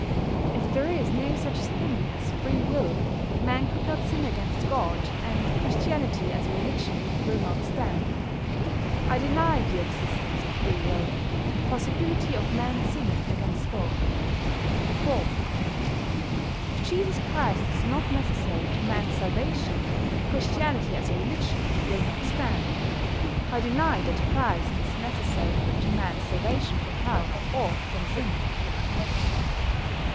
If there is no such thing as Free Will Man could not sin against God, and Christianity as a religion will not stand. I deny the existence of Free Will, and possibility of Man's sinning against God. 4. If Jesus Christ is not necessary to Man's "salvation," Christianity as a religion will not stand. I deny that Christ is necessary to Man's salvation from Hell or from Sin.